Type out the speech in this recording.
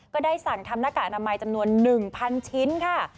ก็ได้สั่งทำหน้ากากอนามัยจำนวน๑๐๐ชิ้นค่ะ